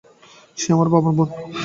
সে আমার বাবার বোন।